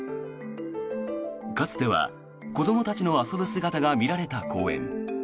かつては子どもたちの遊ぶ姿が見られた公園。